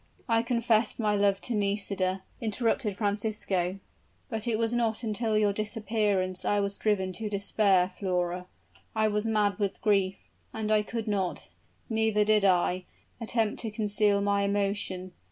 "I confessed my love to Nisida," interrupted Francisco; "but it was not until your disappearance I was driven to despair, Flora. I was mad with grief, and I could not, neither did I, attempt to conceal my emotion.